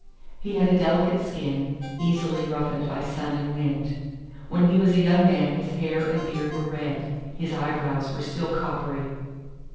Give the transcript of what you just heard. He had a delicate skin, easily roughened by sun and wind. When he was a young man his hair and beard were red; his eyebrows were still coppery.